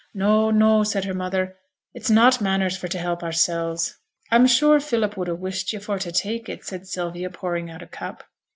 'No, no' said her mother. 'It's not manners for t' help oursel's.' 'I'm sure Philip would ha' wished yo' for to take it,' said Sylvia, pouring out a cup.